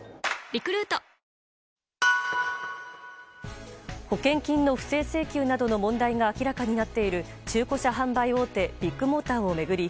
んっ保険金の不正請求などの問題が明らかになっている中古車販売大手ビッグモーターを巡り